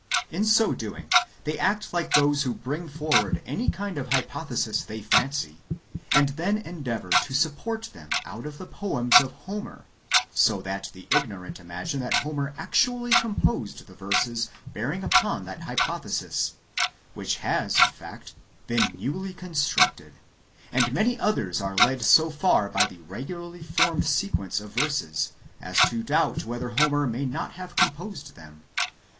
In so doing, they act like those who bring forward any kind of hypothesis they fancy, and then endeavour to support^ them out of the poems of Homer, so that the ignorant imagine that Homer actually composed the verses bearing upon that hypothesis, which has, in fact, been but newly constructed ; and many others are led so far by the regularly formed sequence of the verses, as to doubt whether Homer may not have composed them.